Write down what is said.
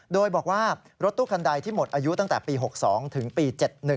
โดยบอกว่ารถตู้คันใดที่หมดอายุตั้งแต่ปี๖๒ถึงปี๗๑